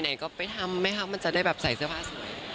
ไหนก็ไปทำไหมคะมันจะได้แบบใส่เสื้อผ้าสวย